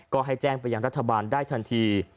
ก็ให้แจ้งไปยังรัฐบาลได้ทันที